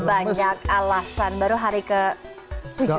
banyak alasan baru hari ketiga